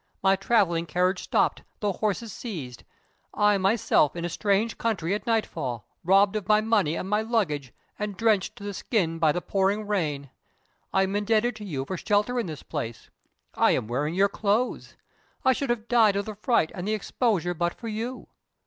My traveling carriage stopped; the horses seized; I myself in a strange country at nightfall, robbed of my money and my luggage, and drenched to the skin by the pouring rain! I am indebted to you for shelter in this place I am wearing your clothes I should have died of the fright and the exposure but for you.